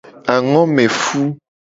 Angomefu.